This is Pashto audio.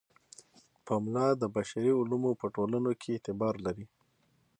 پملا د بشري علومو په ټولنو کې اعتبار لري.